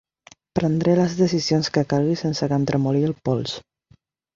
Prendré les decisions que calgui sense que em tremoli el pols.